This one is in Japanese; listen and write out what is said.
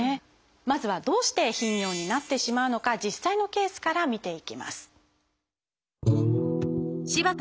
まずはどうして頻尿になってしまうのか実際のケースから見ていきます。